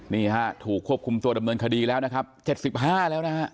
นี่ฮะถูกควบคุมตัวดำเนินคดีแล้วนะครับ๗๕แล้วนะฮะ